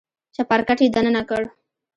چپرکټ يې دننه کړ.